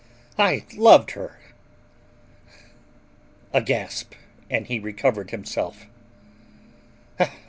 I loved her—" A gasp and he recovered himself.